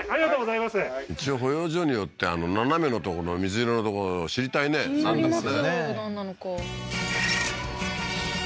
一応保養所に寄ってあの斜めのとこの水色のとこ知りたいね気になります